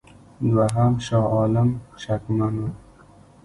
دوهم شاه عالم شکمن وو.